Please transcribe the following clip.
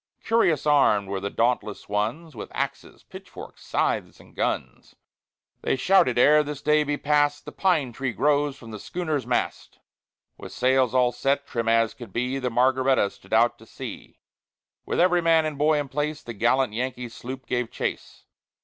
Curious armed were the dauntless ones, With axes, pitchforks, scythes, and guns; They shouted, "Ere yet this day be passed, The pine tree grows from the schooner's mast!" IV With sails all set, trim as could be, The Margaretta stood out to sea. With every man and boy in place, The gallant Yankee sloop gave chase.